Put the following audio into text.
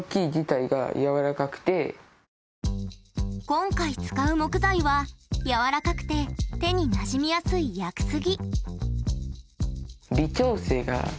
今回使う木材は柔らかくて手になじみやすい屋久杉。